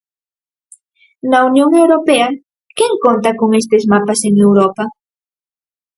Na Unión Europea, ¿quen conta con estes mapas en Europa?